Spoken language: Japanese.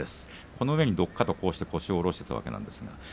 この上にどかっと腰を下ろしているわけです。